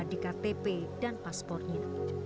di ktp dan paspornya